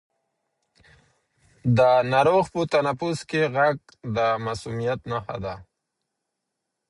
د ناروغ په تنفس کې غږ د مسمومیت نښه ده.